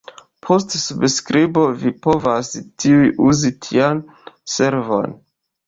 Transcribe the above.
Post subskribo vi povas tuj uzi tian servon.